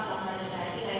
aktivitas pemerintah di tni